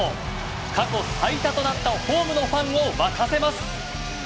過去最多となったホームのファンを沸かせます。